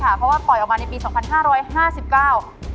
เพราะว่าปล่อยออกมาในปีสองพันห้าร้อยห้าสิบเก้า